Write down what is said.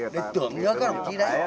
để tưởng nhớ các đồng chí đã